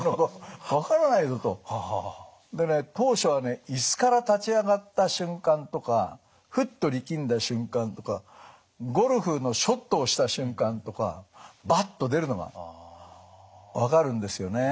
当初はね椅子から立ち上がった瞬間とかふっと力んだ瞬間とかゴルフのショットをした瞬間とかバッと出るのが分かるんですよね。